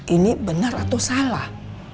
ini bener atau salah